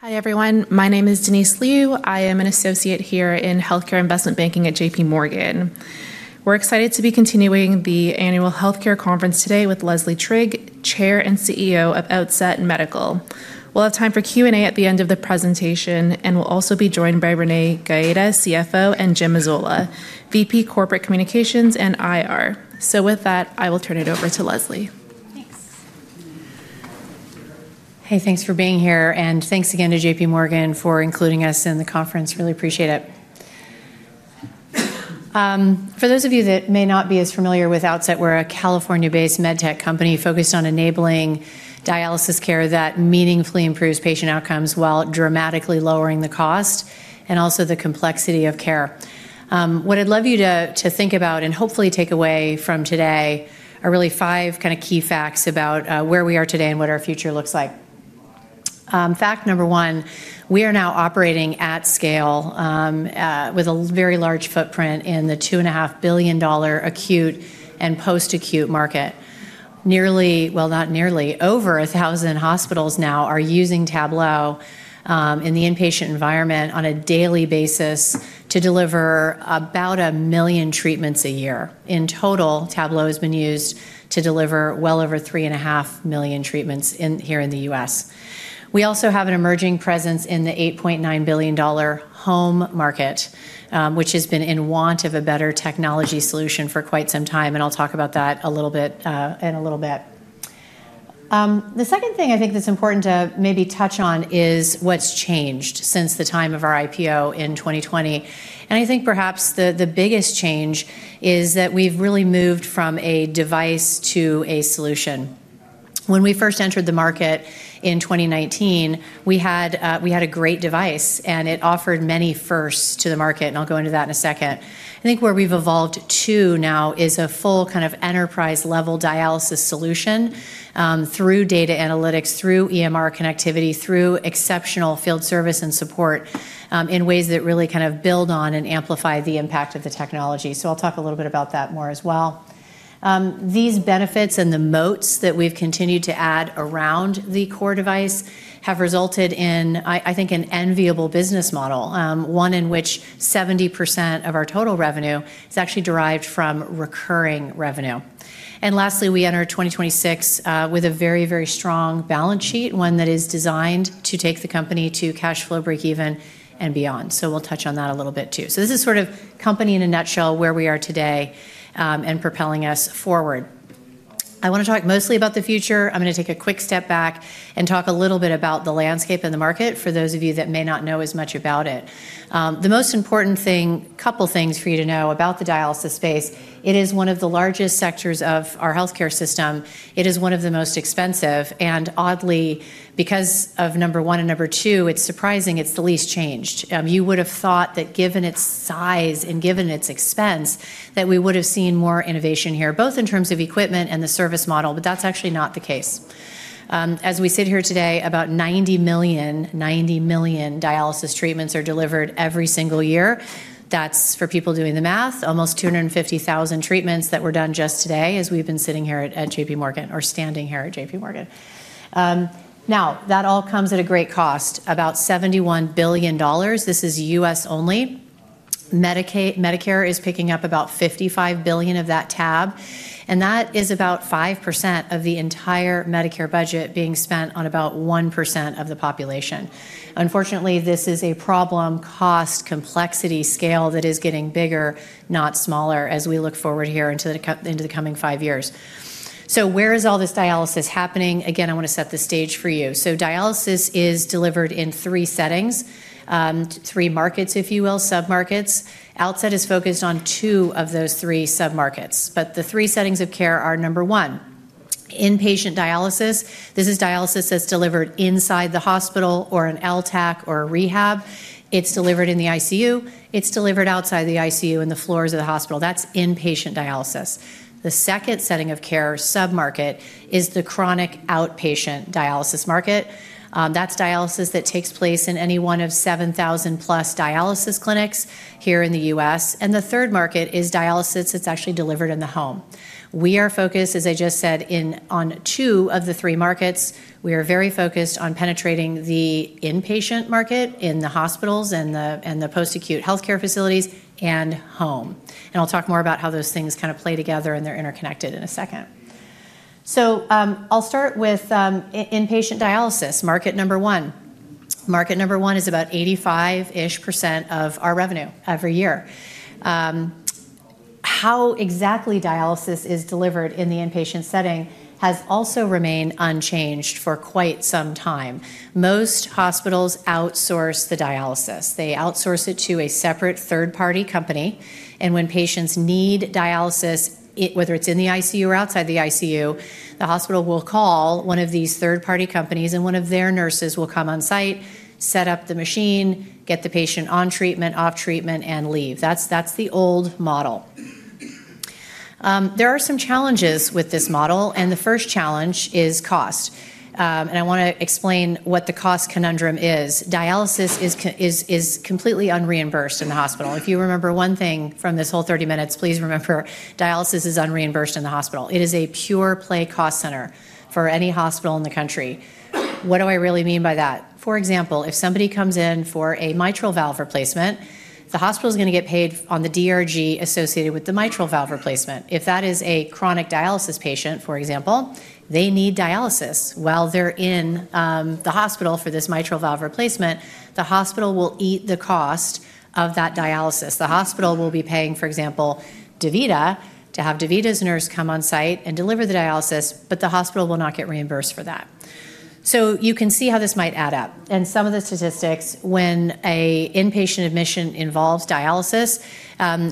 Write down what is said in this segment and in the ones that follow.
Hi everyone, my name is Denise Liu. I am an Associate here in Healthcare Investment Banking at JPMorgan. We're excited to be continuing the annual healthcare conference today with Leslie Trigg, Chair and CEO of Outset Medical. We'll have time for Q&A at the end of the presentation, and we'll also be joined by Renee Gaeta, CFO, and Jim Mazzola, VP Corporate Communications and IR. So with that, I will turn it over to Leslie. Hey, thanks for being here, and thanks again to JPMorgan for including us in the conference. Really appreciate it. For those of you that may not be as familiar with Outset, we're a California-based medtech company focused on enabling dialysis care that meaningfully improves patient outcomes while dramatically lowering the cost and also the complexity of care. What I'd love you to think about and hopefully take away from today are really five kind of key facts about where we are today and what our future looks like. Fact number one, we are now operating at scale with a very large footprint in the $2.5 billion acute and post-acute market. Nearly, well, not nearly, over a thousand hospitals now are using Tablo in the inpatient environment on a daily basis to deliver about a million treatments a year. In total, Tablo has been used to deliver well over three and a half million treatments here in the U.S. We also have an emerging presence in the $8.9 billion home market, which has been in want of a better technology solution for quite some time, and I'll talk about that a little bit in a little bit. The second thing I think that's important to maybe touch on is what's changed since the time of our IPO in 2020, and I think perhaps the biggest change is that we've really moved from a device to a solution. When we first entered the market in 2019, we had a great device, and it offered many firsts to the market, and I'll go into that in a second. I think where we've evolved to now is a full kind of enterprise-level dialysis solution through data analytics, through EMR connectivity, through exceptional field service and support in ways that really kind of build on and amplify the impact of the technology, so I'll talk a little bit about that more as well. These benefits and the moats that we've continued to add around the core device have resulted in, I think, an enviable business model, one in which 70% of our total revenue is actually derived from recurring revenue, and lastly, we entered 2026 with a very, very strong balance sheet, one that is designed to take the company to cash flow breakeven and beyond, so we'll touch on that a little bit too, so this is sort of company in a nutshell where we are today and propelling us forward. I want to talk mostly about the future. I'm going to take a quick step back and talk a little bit about the landscape and the market for those of you that may not know as much about it. The most important thing, a couple of things for you to know about the dialysis space, it is one of the largest sectors of our healthcare system. It is one of the most expensive, and oddly, because of number one and number two, it's surprising it's the least changed. You would have thought that given its size and given its expense, that we would have seen more innovation here, both in terms of equipment and the service model, but that's actually not the case. As we sit here today, about 90 million, 90 million dialysis treatments are delivered every single year. That's for people doing the math, almost 250,000 treatments that were done just today as we've been sitting here at JPMorgan or standing here at JPMorgan. Now, that all comes at a great cost, about $71 billion. This is U.S. only. Medicare is picking up about $55 billion of that tab, and that is about 5% of the entire Medicare budget being spent on about 1% of the population. Unfortunately, this is a problem cost complexity scale that is getting bigger, not smaller, as we look forward here into the coming five years. So where is all this dialysis happening? Again, I want to set the stage for you. So dialysis is delivered in three settings, three markets, if you will, submarkets. Outset is focused on two of those three submarkets, but the three settings of care are number one, inpatient dialysis. This is dialysis that's delivered inside the hospital or an LTACH or a rehab. It's delivered in the ICU. It's delivered outside the ICU in the floors of the hospital. That's inpatient dialysis. The second setting of care submarket is the chronic outpatient dialysis market. That's dialysis that takes place in any one of 7,000 plus dialysis clinics here in the U.S., and the third market is dialysis that's actually delivered in the home. We are focused, as I just said, on two of the three markets. We are very focused on penetrating the inpatient market in the hospitals and the post-acute healthcare facilities and home, and I'll talk more about how those things kind of play together and they're interconnected in a second, so I'll start with inpatient dialysis, market number one. Market number one is about 85-ish% of our revenue every year. How exactly dialysis is delivered in the inpatient setting has also remained unchanged for quite some time. Most hospitals outsource the dialysis. They outsource it to a separate third-party company, and when patients need dialysis, whether it's in the ICU or outside the ICU, the hospital will call one of these third-party companies, and one of their nurses will come on site, set up the machine, get the patient on treatment, off treatment, and leave. That's the old model. There are some challenges with this model, and the first challenge is cost. And I want to explain what the cost conundrum is. Dialysis is completely unreimbursed in the hospital. If you remember one thing from this whole 30 minutes, please remember, dialysis is unreimbursed in the hospital. It is a pure play cost center for any hospital in the country. What do I really mean by that? For example, if somebody comes in for a mitral valve replacement, the hospital is going to get paid on the DRG associated with the mitral valve replacement. If that is a chronic dialysis patient, for example, they need dialysis. While they're in the hospital for this mitral valve replacement, the hospital will eat the cost of that dialysis. The hospital will be paying, for example, DaVita to have DaVita's nurse come on site and deliver the dialysis, but the hospital will not get reimbursed for that. So you can see how this might add up, and some of the statistics, when an inpatient admission involves dialysis,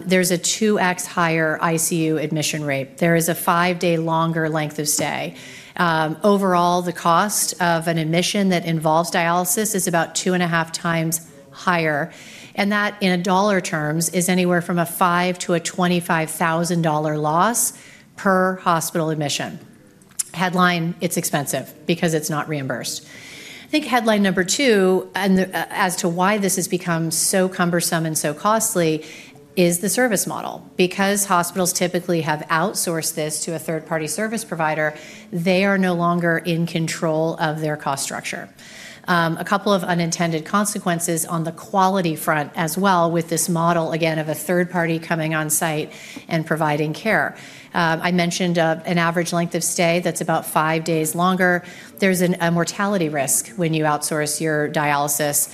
there's a 2x higher ICU admission rate. There is a five-day longer length of stay. Overall, the cost of an admission that involves dialysis is about 2.5x higher. That, in dollar-terms, is anywhere from $5,000-$25,000 loss per hospital admission. Headline, it's expensive because it's not reimbursed. I think headline number two, and as to why this has become so cumbersome and so costly, is the service model. Because hospitals typically have outsourced this to a third-party service provider, they are no longer in control of their cost structure. A couple of unintended consequences on the quality front as well with this model, again, of a third party coming on site and providing care. I mentioned an average length of stay that's about five days longer. There's a mortality risk when you outsource your dialysis.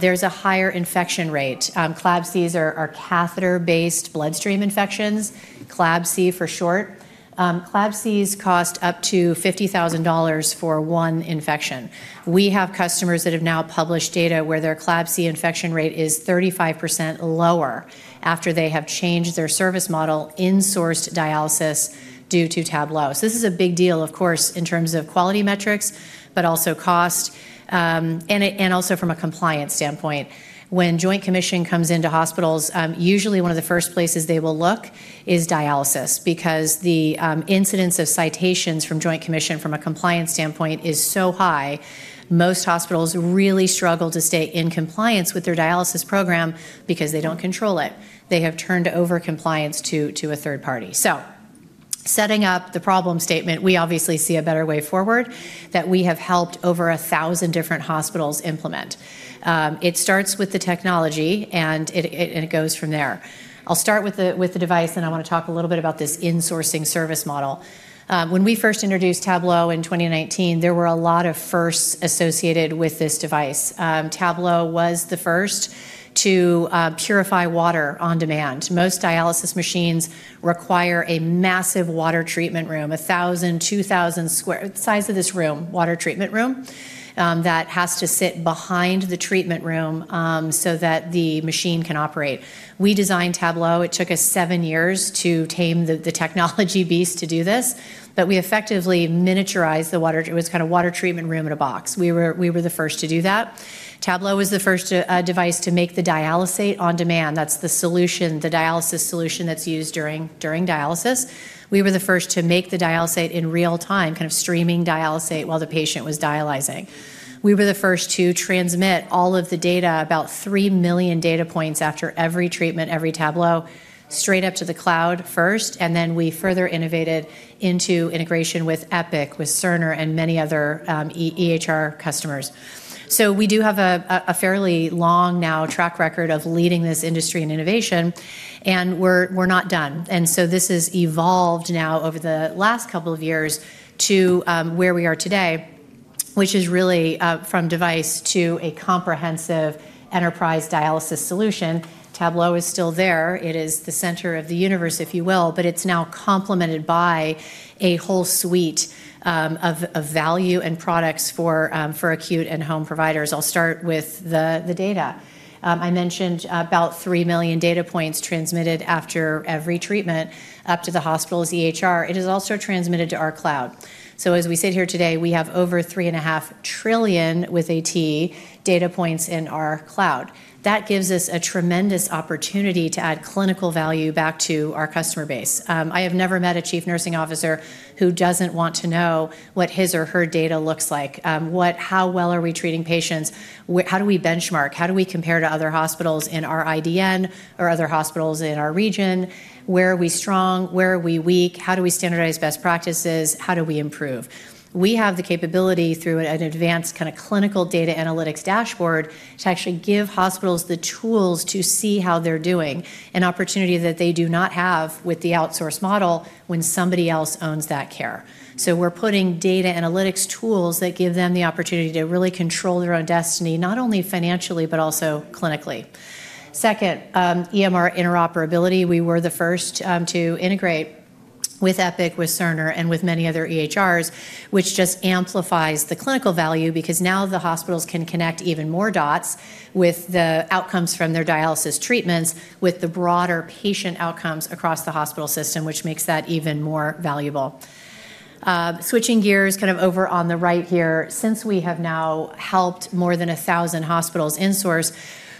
There's a higher infection rate. CLABSIs are catheter-based bloodstream infections, CLABSI for short. CLABSIs cost up to $50,000 for one infection. We have customers that have now published data where their CLABSI infection rate is 35% lower after they have changed their service model insourced dialysis due to Tablo, so this is a big deal, of course, in terms of quality metrics, but also cost, and also from a compliance standpoint. When Joint Commission comes into hospitals, usually one of the first places they will look is dialysis because the incidence of citations from Joint Commission from a compliance standpoint is so high, most hospitals really struggle to stay in compliance with their dialysis program because they don't control it. They have turned over compliance to a third party, so setting up the problem statement, we obviously see a better way forward that we have helped over a thousand different hospitals implement. It starts with the technology, and it goes from there. I'll start with the device, and I want to talk a little bit about this insourcing service model. When we first introduced Tablo in 2019, there were a lot of firsts associated with this device. Tablo was the first to purify water on demand. Most dialysis machines require a massive water treatment room, 1,000-2,000 sq ft size of this room, water treatment room that has to sit behind the treatment room so that the machine can operate. We designed Tablo. It took us seven years to tame the technology beast to do this, but we effectively miniaturized the water. It was kind of a water treatment room in a box. We were the first to do that. Tablo was the first device to make the dialysate on demand. That's the solution, the dialysis solution that's used during dialysis. We were the first to make the dialysate in real time, kind of streaming dialysate while the patient was dialyzing. We were the first to transmit all of the data, about 3 million data points after every treatment, every Tablo, straight up to the cloud first, and then we further innovated into integration with Epic, with Cerner, and many other EHR customers. So we do have a fairly long now track record of leading this industry in innovation, and we're not done. And so this has evolved now over the last couple of years to where we are today, which is really from device to a comprehensive enterprise dialysis solution. Tablo is still there. It is the center of the universe, if you will, but it's now complemented by a whole suite of value and products for acute and home providers. I'll start with the data. I mentioned about 3 million data points transmitted after every treatment up to the hospital's EHR. It is also transmitted to our cloud. So as we sit here today, we have over 3.5 trillion with a T data points in our cloud. That gives us a tremendous opportunity to add clinical value back to our customer base. I have never met a chief nursing officer who doesn't want to know what his or her data looks like. How well are we treating patients? How do we benchmark? How do we compare to other hospitals in our IDN or other hospitals in our region? Where are we strong? Where are we weak? How do we standardize best practices? How do we improve? We have the capability through an advanced kind of clinical data analytics dashboard to actually give hospitals the tools to see how they're doing, an opportunity that they do not have with the outsource model when somebody else owns that care. So we're putting data analytics tools that give them the opportunity to really control their own destiny, not only financially, but also clinically. Second, EMR interoperability. We were the first to integrate with Epic, with Cerner, and with many other EHRs, which just amplifies the clinical value because now the hospitals can connect even more dots with the outcomes from their dialysis treatments with the broader patient outcomes across the hospital system, which makes that even more valuable. Switching gears kind of over on the right here, since we have now helped more than 1,000 hospitals insource,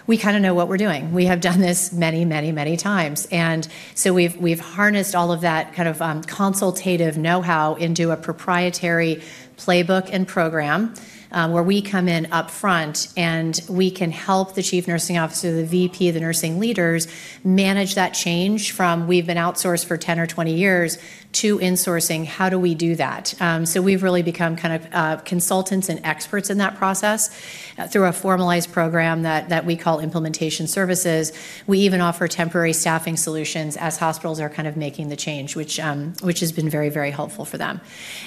we kind of know what we're doing. We have done this many, many, many times, and so we've harnessed all of that kind of consultative know-how into a proprietary playbook and program where we come in upfront and we can help the chief nursing officer, the VP, the nursing leaders manage that change from we've been outsourced for 10 or 20 years to in-sourcing. How do we do that, so we've really become kind of consultants and experts in that process through a formalized program that we call implementation services. We even offer temporary staffing solutions as hospitals are kind of making the change, which has been very, very helpful for them,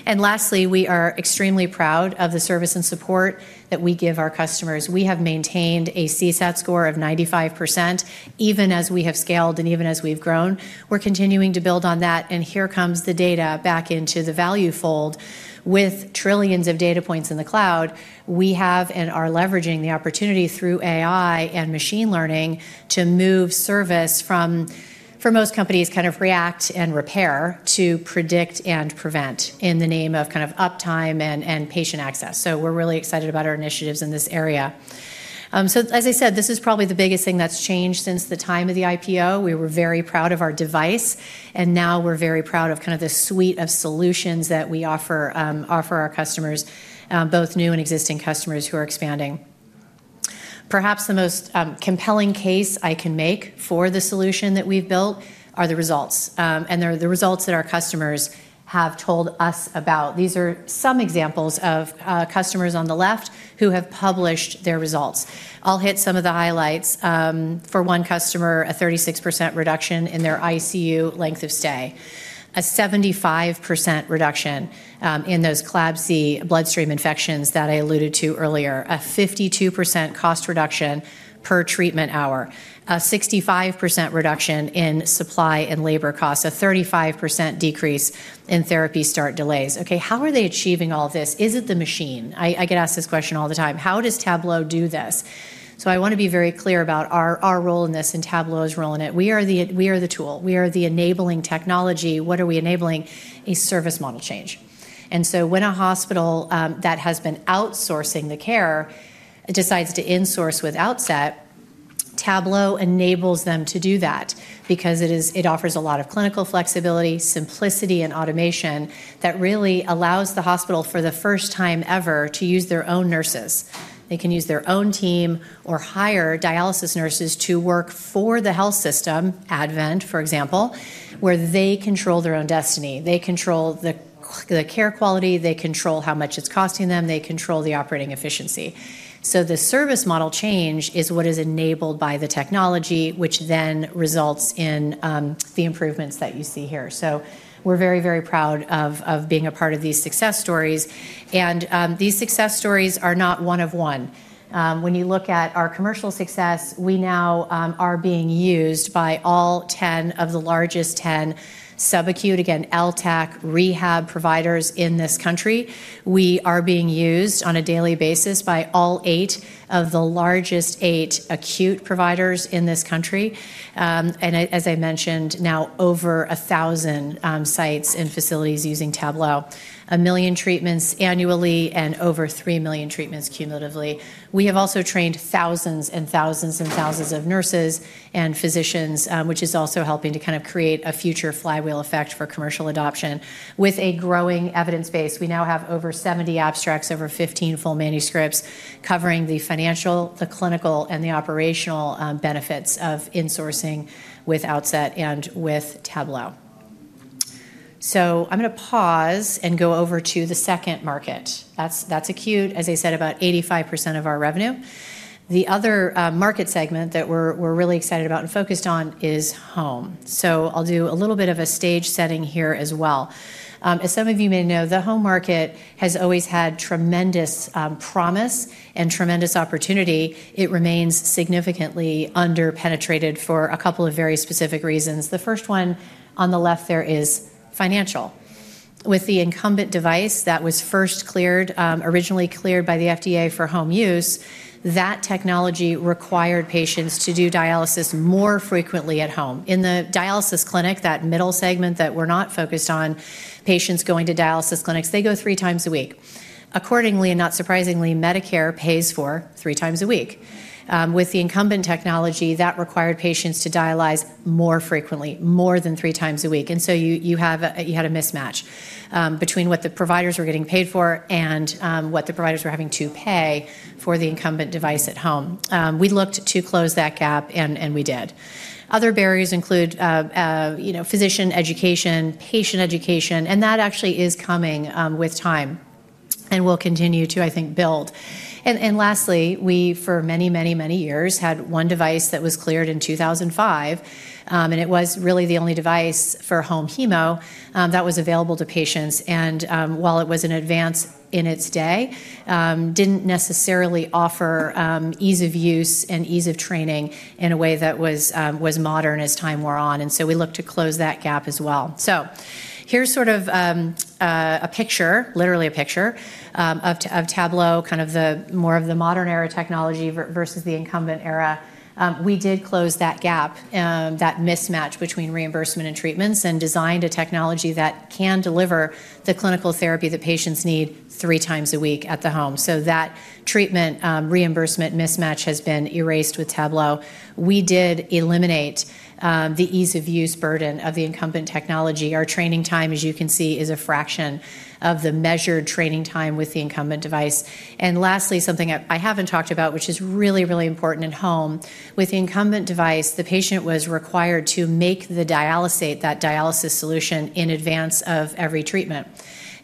and lastly, we are extremely proud of the service and support that we give our customers. We have maintained a CSAT score of 95% even as we have scaled and even as we've grown. We're continuing to build on that, and here comes the data back into the value fold. With trillions of data points in the cloud, we have and are leveraging the opportunity through AI and machine learning to move service from, for most companies, kind of react and repair to predict and prevent in the name of kind of uptime and patient access. So we're really excited about our initiatives in this area. So as I said, this is probably the biggest thing that's changed since the time of the IPO. We were very proud of our device, and now we're very proud of kind of the suite of solutions that we offer our customers, both new and existing customers who are expanding. Perhaps the most compelling case I can make for the solution that we've built are the results, and they're the results that our customers have told us about. These are some examples of customers on the left who have published their results. I'll hit some of the highlights. For one customer, a 36% reduction in their ICU length of stay, a 75% reduction in those CLABSI bloodstream infections that I alluded to earlier, a 52% cost reduction per treatment hour, a 65% reduction in supply and labor costs, a 35% decrease in therapy start delays. Okay, how are they achieving all this? Is it the machine? I get asked this question all the time. How does Tablo do this? So I want to be very clear about our role in this and Tablo's role in it. We are the tool. We are the enabling technology. What are we enabling? A service model change. And so when a hospital that has been outsourcing the care decides to in-source with Outset, Tablo enables them to do that because it offers a lot of clinical flexibility, simplicity, and automation that really allows the hospital for the first time ever to use their own nurses. They can use their own team or hire dialysis nurses to work for the health system, Advent, for example, where they control their own destiny. They control the care quality. They control how much it's costing them. They control the operating efficiency. So the service model change is what is enabled by the technology, which then results in the improvements that you see here. So we're very, very proud of being a part of these success stories. And these success stories are not one of one. When you look at our commercial success, we now are being used by all 10 of the largest 10 subacute, again, LTACH rehab providers in this country. We are being used on a daily basis by all eight of the largest eight acute providers in this country. And as I mentioned, now over 1,000 sites and facilities using Tablo, a million treatments annually and over 3 million treatments cumulatively. We have also trained thousands and thousands and thousands of nurses and physicians, which is also helping to kind of create a future flywheel effect for commercial adoption with a growing evidence base. We now have over 70 abstracts, over 15 full manuscripts covering the financial, the clinical, and the operational benefits of in-sourcing with Outset and with Tablo. So I'm going to pause and go over to the second market. That's acute, as I said, about 85% of our revenue. The other market segment that we're really excited about and focused on is home. So I'll do a little bit of a stage setting here as well. As some of you may know, the home market has always had tremendous promise and tremendous opportunity. It remains significantly underpenetrated for a couple of very specific reasons. The first one on the left there is financial. With the incumbent device that was first cleared, originally cleared by the FDA for home use, that technology required patients to do dialysis more frequently at home. In the dialysis clinic, that middle segment that we're not focused on, patients going to dialysis clinics, they go three times a week. Accordingly, and not surprisingly, Medicare pays for three times a week. With the incumbent technology, that required patients to dialyze more frequently, more than three times a week. And so you had a mismatch between what the providers were getting paid for and what the providers were having to pay for the incumbent device at home. We looked to close that gap, and we did. Other barriers include physician education, patient education, and that actually is coming with time and will continue to, I think, build. And lastly, we for many, many, many years had one device that was cleared in 2005, and it was really the only device for home hemo that was available to patients. And while it was an advance in its day, it didn't necessarily offer ease of use and ease of training in a way that was modern as time wore on. And so we looked to close that gap as well. Here's sort of a picture, literally a picture of Tablo, kind of more of the modern era technology versus the incumbent era. We did close that gap, that mismatch between reimbursement and treatments, and designed a technology that can deliver the clinical therapy that patients need three times a week at the home. That treatment reimbursement mismatch has been erased with Tablo. We did eliminate the ease of use burden of the incumbent technology. Our training time, as you can see, is a fraction of the measured training time with the incumbent device. Lastly, something I haven't talked about, which is really, really important in home. With the incumbent device, the patient was required to make the dialysate, that dialysis solution, in advance of every treatment.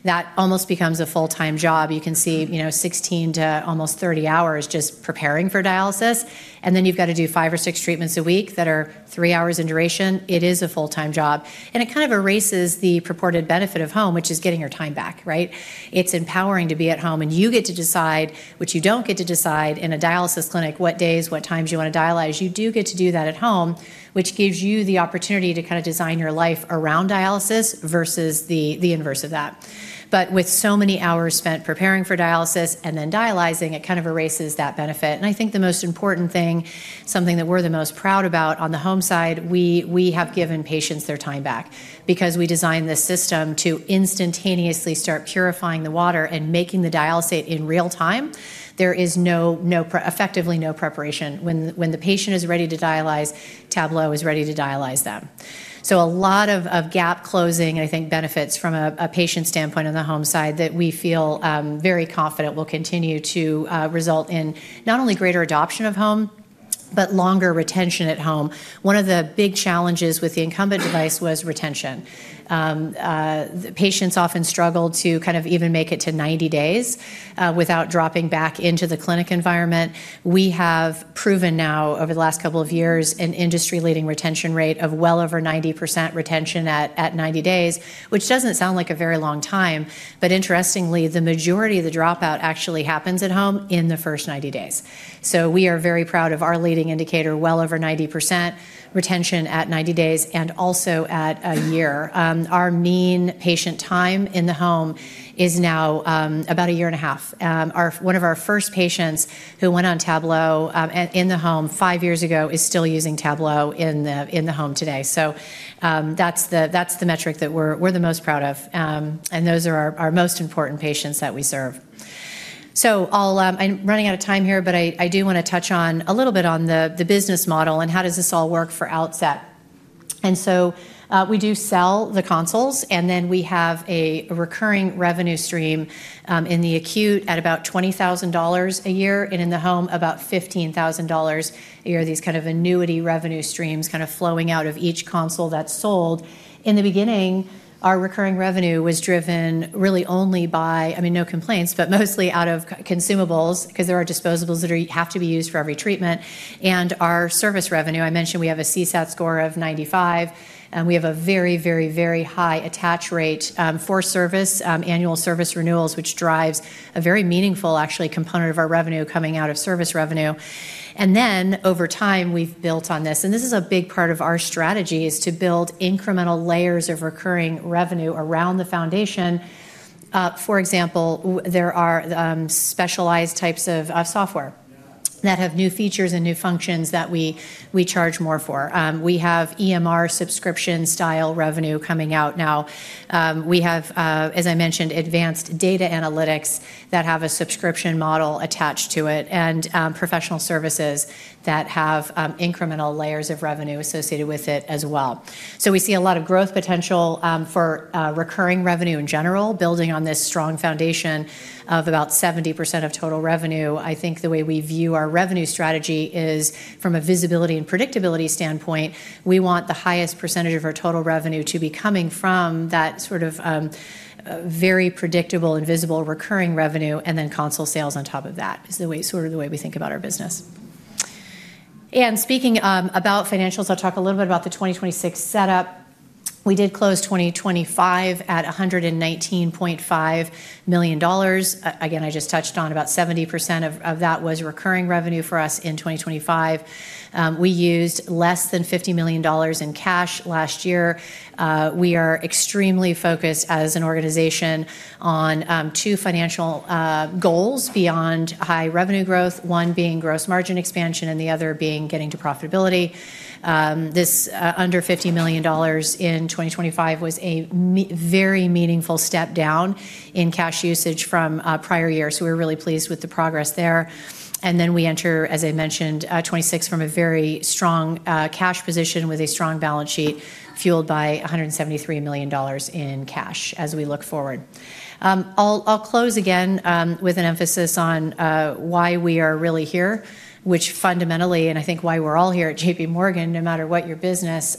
That almost becomes a full-time job. You can see 16 to almost 30 hours just preparing for dialysis. Then you've got to do five or six treatments a week that are three hours in duration. It is a full-time job. And it kind of erases the purported benefit of home, which is getting your time back, right? It's empowering to be at home, and you get to decide what you don't get to decide in a dialysis clinic, what days, what times you want to dialyze. You do get to do that at home, which gives you the opportunity to kind of design your life around dialysis versus the inverse of that. But with so many hours spent preparing for dialysis and then dialyzing, it kind of erases that benefit. I think the most important thing, something that we're the most proud about on the home side, we have given patients their time back because we designed this system to instantaneously start purifying the water and making the dialysate in real time. There is effectively no preparation. When the patient is ready to dialyze, Tablo is ready to dialyze them. A lot of gap closing, I think, benefits from a patient standpoint on the home side that we feel very confident will continue to result in not only greater adoption of home, but longer retention at home. One of the big challenges with the incumbent device was retention. Patients often struggle to kind of even make it to 90 days without dropping back into the clinic environment. We have proven now over the last couple of years an industry-leading retention rate of well over 90% retention at 90 days, which doesn't sound like a very long time, but interestingly, the majority of the dropout actually happens at home in the first 90 days, so we are very proud of our leading indicator, well over 90% retention at 90 days and also at a year. Our mean patient time in the home is now about a year and a half. One of our first patients who went on Tablo in the home five years ago is still using Tablo in the home today, so that's the metric that we're the most proud of, and those are our most important patients that we serve. So I'm running out of time here, but I do want to touch on a little bit on the business model and how does this all work for Outset. And so we do sell the consoles, and then we have a recurring revenue stream in the acute at about $20,000 a year, and in the home, about $15,000 a year, these kind of annuity revenue streams kind of flowing out of each console that's sold. In the beginning, our recurring revenue was driven really only by, I mean, no complaints, but mostly out of consumables because there are disposables that have to be used for every treatment. And our service revenue, I mentioned we have a CSAT score of 95, and we have a very, very, very high attach rate for service, annual service renewals, which drives a very meaningful, actually, component of our revenue coming out of service revenue. And then over time, we've built on this. And this is a big part of our strategy is to build incremental layers of recurring revenue around the foundation. For example, there are specialized types of software that have new features and new functions that we charge more for. We have EMR subscription-style revenue coming out now. We have, as I mentioned, advanced data analytics that have a subscription model attached to it and professional services that have incremental layers of revenue associated with it as well. So we see a lot of growth potential for recurring revenue in general, building on this strong foundation of about 70% of total revenue. I think the way we view our revenue strategy is from a visibility and predictability standpoint, we want the highest percentage of our total revenue to be coming from that sort of very predictable and visible recurring revenue, and then console sales on top of that is sort of the way we think about our business, and speaking about financials, I'll talk a little bit about the 2026 setup. We did close 2025 at $119.5 million. Again, I just touched on about 70% of that was recurring revenue for us in 2025. We used less than $50 million in cash last year. We are extremely focused as an organization on two financial goals beyond high revenue growth, one being gross margin expansion and the other being getting to profitability. This under $50 million in 2025 was a very meaningful step down in cash usage from prior year. So we're really pleased with the progress there. And then we enter, as I mentioned, 2026 from a very strong cash position with a strong balance sheet fueled by $173 million in cash as we look forward. I'll close again with an emphasis on why we are really here, which fundamentally, and I think why we're all here at JPMorgan, no matter what your business,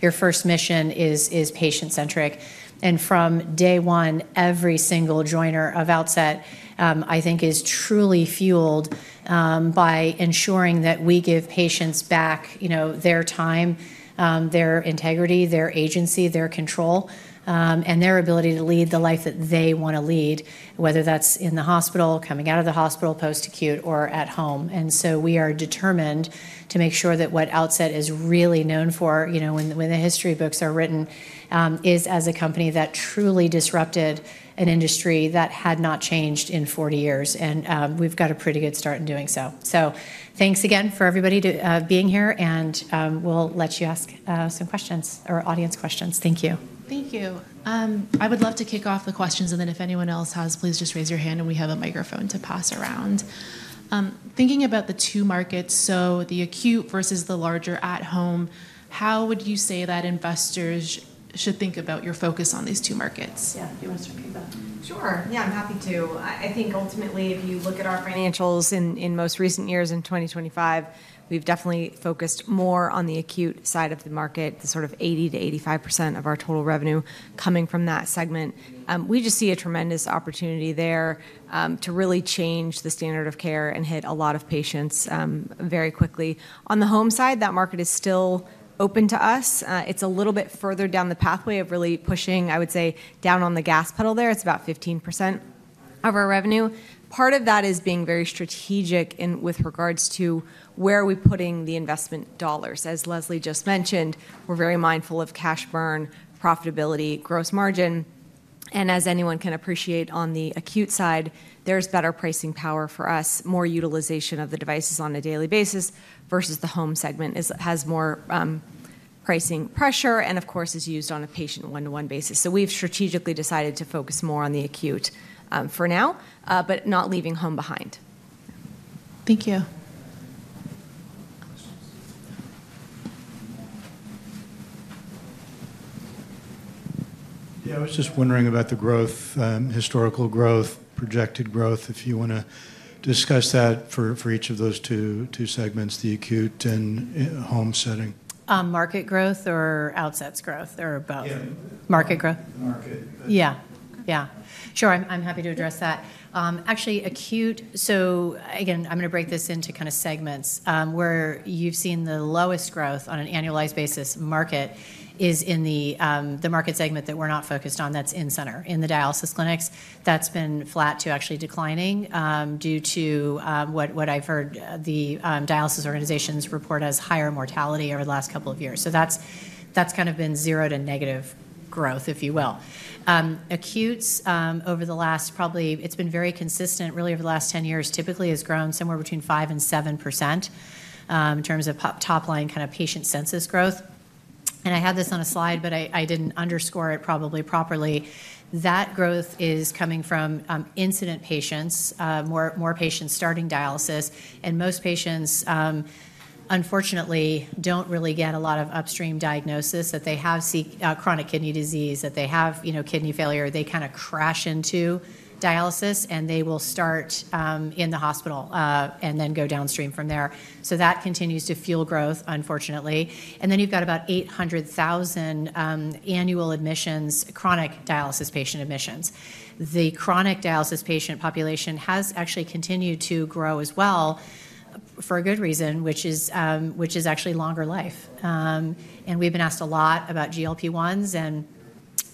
your first mission is patient-centric. And from day one, every single joiner of Outset, I think, is truly fueled by ensuring that we give patients back their time, their integrity, their agency, their control, and their ability to lead the life that they want to lead, whether that's in the hospital, coming out of the hospital, post-acute, or at home. And so we are determined to make sure that what Outset is really known for, when the history books are written, is as a company that truly disrupted an industry that had not changed in 40 years. And we've got a pretty good start in doing so. So thanks again for everybody being here, and we'll let you ask some questions or audience questions. Thank you. Thank you. I would love to kick off the questions, and then if anyone else has, please just raise your hand, and we have a microphone to pass around. Thinking about the two markets, so the acute versus the larger at home, how would you say that investors should think about your focus on these two markets? Yeah, if you want to speak to that. Sure. Yeah, I'm happy to. I think ultimately, if you look at our financials in most recent years in 2025, we've definitely focused more on the acute side of the market, the sort of 80%-85% of our total revenue coming from that segment. We just see a tremendous opportunity there to really change the standard of care and hit a lot of patients very quickly. On the home side, that market is still open to us. It's a little bit further down the pathway of really pushing, I would say, down on the gas pedal there. It's about 15% of our revenue. Part of that is being very strategic with regards to where are we putting the investment dollars. As Leslie just mentioned, we're very mindful of cash burn, profitability, gross margin. As anyone can appreciate, on the acute side, there's better pricing power for us, more utilization of the devices on a daily basis versus the home segment has more pricing pressure and, of course, is used on a patient one-to-one basis. We've strategically decided to focus more on the acute for now, but not leaving home behind. Thank you. Yeah, I was just wondering about the growth, historical growth, projected growth, if you want to discuss that for each of those two segments, the acute and home setting. Market growth or Outset's growth or both? Yeah. Market growth. Market. Yeah. Yeah. Sure. I'm happy to address that. Actually, acute, so again, I'm going to break this into kind of segments where you've seen the lowest growth on an annualized basis market is in the market segment that we're not focused on that's in center, in the dialysis clinics. That's been flat to actually declining due to what I've heard the dialysis organizations report as higher mortality over the last couple of years. So that's kind of been zero to negative growth, if you will. Acute over the last, probably it's been very consistent really over the last 10 years, typically has grown somewhere between 5%-7% in terms of top-line kind of patient census growth. And I had this on a slide, but I didn't underscore it probably properly. That growth is coming from incident patients, more patients starting dialysis. And most patients, unfortunately, don't really get a lot of upstream diagnosis. If they have chronic kidney disease, if they have kidney failure, they kind of crash into dialysis, and they will start in the hospital and then go downstream from there. So that continues to fuel growth, unfortunately. And then you've got about 800,000 annual admissions, chronic dialysis patient admissions. The chronic dialysis patient population has actually continued to grow as well for a good reason, which is actually longer life. And we've been asked a lot about GLP-1s, and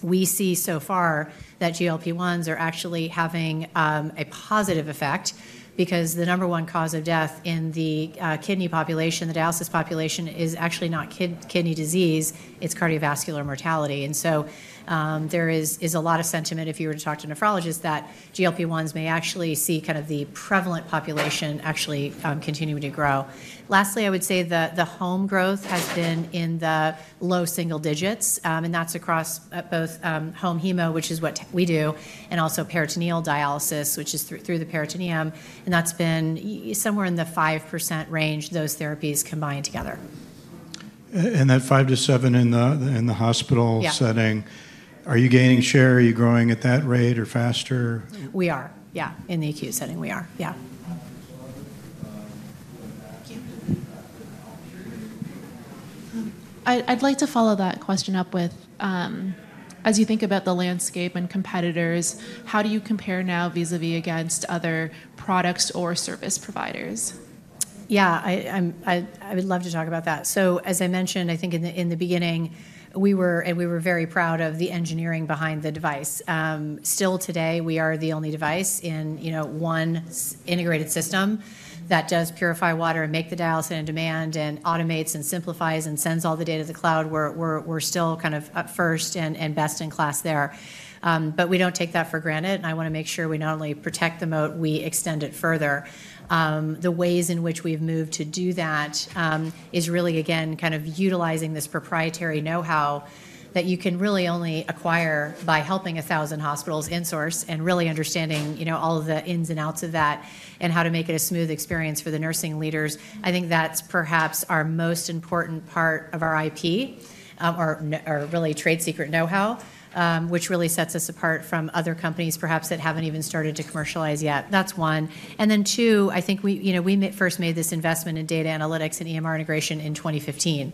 we see so far that GLP-1s are actually having a positive effect because the number one cause of death in the kidney population, the dialysis population, is actually not kidney disease. It's cardiovascular mortality. There is a lot of sentiment if you were to talk to a nephrologist that GLP-1s may actually see kind of the prevalent population actually continuing to grow. Lastly, I would say the home growth has been in the low single digits, and that's across both home hemo, which is what we do, and also peritoneal dialysis, which is through the peritoneum. That's been somewhere in the 5% range, those therapies combined together. That 5-7 in the hospital setting, are you gaining share? Are you growing at that rate or faster? We are. Yeah. In the acute setting, we are. Yeah. Thank you. I'd like to follow that question up with, as you think about the landscape and competitors, how do you compare now vis-à-vis against other products or service providers? Yeah, I would love to talk about that. So as I mentioned, I think in the beginning, we were very proud of the engineering behind the device. Still today, we are the only device in one integrated system that does purify water and makes the dialysis in demand and automates and simplifies and sends all the data to the cloud. We're still kind of first and best in class there. But we don't take that for granted, and I want to make sure we not only protect the moat, we extend it further. The ways in which we've moved to do that is really, again, kind of utilizing this proprietary know-how that you can really only acquire by helping 1,000 hospitals in-source and really understanding all of the ins and outs of that and how to make it a smooth experience for the nursing leaders. I think that's perhaps our most important part of our IP or really trade secret know-how, which really sets us apart from other companies perhaps that haven't even started to commercialize yet. That's one. And then two, I think we first made this investment in data analytics and EMR integration in 2015.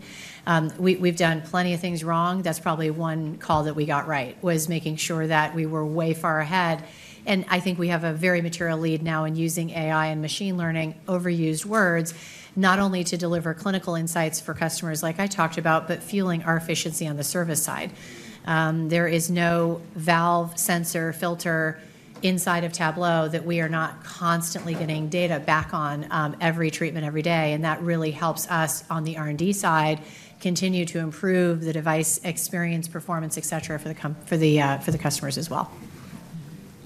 We've done plenty of things wrong. That's probably one call that we got right, was making sure that we were way far ahead. And I think we have a very material lead now in using AI and machine learning, overused words, not only to deliver clinical insights for customers like I talked about, but fueling our efficiency on the service side. There is no valve, sensor, filter inside of Tablo that we are not constantly getting data back on every treatment every day. That really helps us on the R&D side continue to improve the device experience, performance, et cetera, for the customers as well.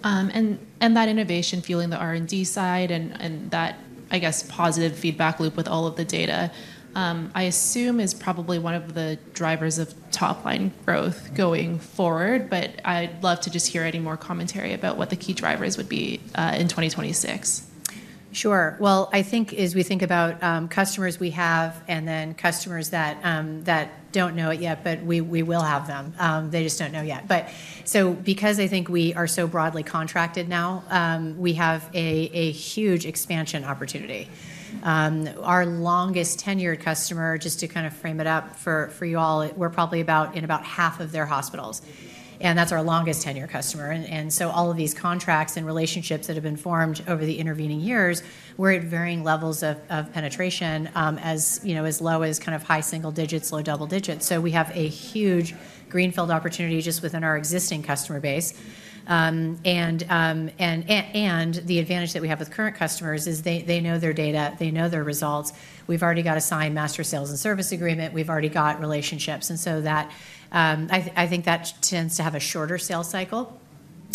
And that innovation, fueling the R&D side and that, I guess, positive feedback loop with all of the data, I assume is probably one of the drivers of top-line growth going forward. But I'd love to just hear any more commentary about what the key drivers would be in 2026. Sure. Well, I think as we think about customers we have and then customers that don't know it yet, but we will have them. They just don't know yet. So because I think we are so broadly contracted now, we have a huge expansion opportunity. Our longest tenured customer, just to kind of frame it up for you all, we're probably in about half of their hospitals, and that's our longest tenured customer. And so all of these contracts and relationships that have been formed over the intervening years, we're at varying levels of penetration as low as kind of high single digits, low double digits. So we have a huge greenfield opportunity just within our existing customer base. And the advantage that we have with current customers is they know their data, they know their results. We've already got a signed master sales and service agreement. We've already got relationships. And so I think that tends to have a shorter sales cycle.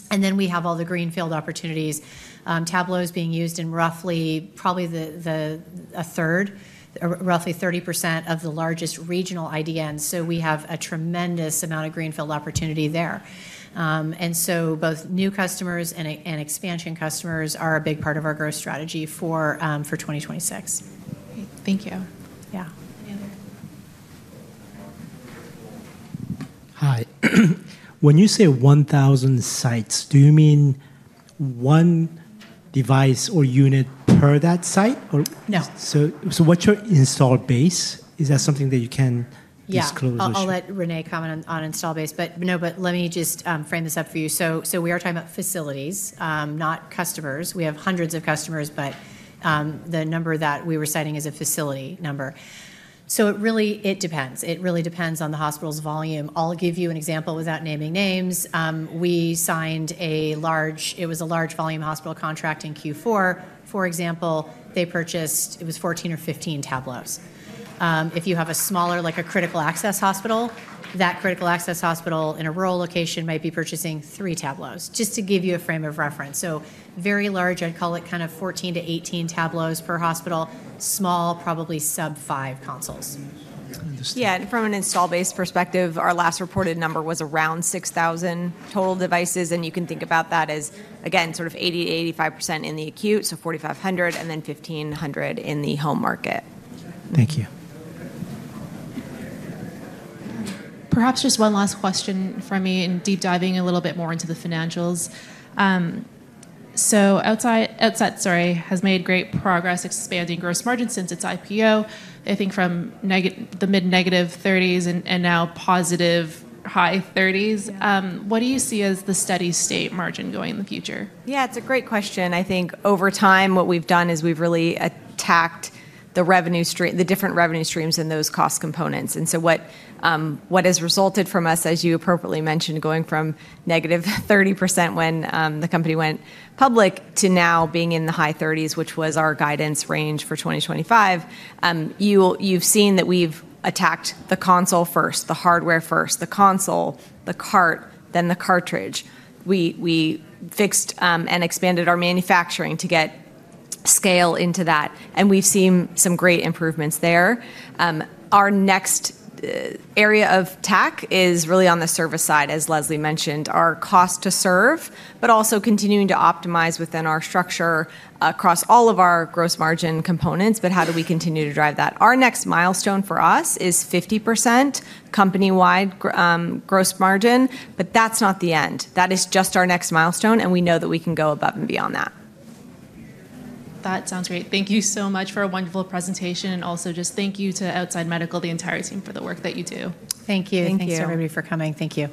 And then we have all the greenfield opportunities. Tablo is being used in roughly probably a third, roughly 30% of the largest regional IDNs. So we have a tremendous amount of greenfield opportunity there. And so both new customers and expansion customers are a big part of our growth strategy for 2026. Thank you. Yeah. Any other? Hi. When you say 1,000 sites, do you mean one device or unit per that site? No. So what's your installed base? Is that something that you can disclose? Yeah. I'll let Renee comment on installed base, but no, but let me just frame this up for you. So we are talking about facilities, not customers. We have hundreds of customers, but the number that we were citing is a facility number. So it depends. It really depends on the hospital's volume. I'll give you an example without naming names. We signed a large—it was a large volume hospital contract in Q4. For example, they purchased—it was 14 or 15 Tablos. If you have a smaller, like a critical access hospital, that critical access hospital in a rural location might be purchasing three Tablos, just to give you a frame of reference. So very large, I'd call it kind of 14-18 Tablos per hospital, small, probably sub-five Tablos. I understand. Yeah. From an installed base perspective, our last reported number was around 6,000 total devices, and you can think about that as, again, sort of 80%-85% in the acute, so 4,500, and then 1,500 in the home market. Thank you. Perhaps just one last question from me in deep diving a little bit more into the financials. So Outset, sorry, has made great progress expanding gross margin since its IPO, I think from the mid-negative 30s% and now positive high 30s%. What do you see as the steady state margin going in the future? Yeah, it's a great question. I think over time, what we've done is we've really attacked the different revenue streams and those cost components. And so what has resulted from us, as you appropriately mentioned, going from -30% when the company went public to now being in the high 30s%, which was our guidance range for 2025, you've seen that we've attacked the console first, the hardware first, the console, the cart, then the cartridge. We fixed and expanded our manufacturing to get scale into that. And we've seen some great improvements there. Our next area of tech is really on the service side, as Leslie mentioned, our cost to serve, but also continuing to optimize within our structure across all of our gross margin components. But how do we continue to drive that? Our next milestone for us is 50% company-wide gross margin, but that's not the end. That is just our next milestone, and we know that we can go above and beyond that. That sounds great. Thank you so much for a wonderful presentation. And also just thank you to Outset Medical, the entire team, for the work that you do. Thank you. Thanks to everybody for coming. Thank you.